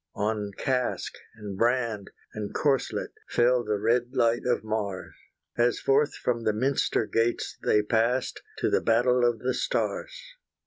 On casque, and brand, and corselet Fell the red light of Mars, As forth from the minster gates they passed To the battle of the stars.